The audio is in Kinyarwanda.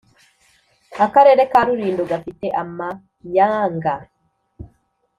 - akarere ka rulindo gafite amanyanga